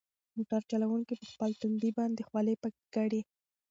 موټر چلونکي په خپل تندي باندې خولې پاکې کړې.